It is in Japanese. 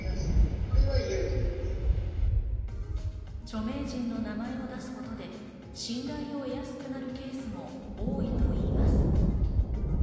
著名人の名前を出すことで信頼を得やすくなるケースも多いといいます。